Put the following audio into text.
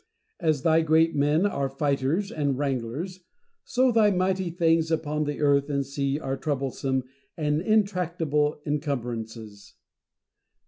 As thy great men are fighters and wranglers, so thy mighty things upon the earth and sea are troublesome and intractable encumbrances.